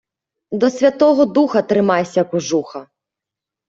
До Святого Духа тримайся кожуха.